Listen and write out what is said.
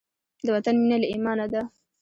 د وطن مینه له ایمانه ده.